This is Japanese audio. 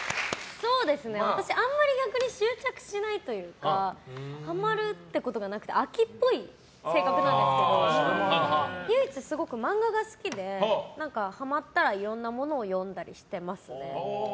私あんまり執着しないというかハマるということがなくて飽きっぽい性格なんですけど唯一、すごく漫画が好きでハマったらいろんなものを読んだりしてますね。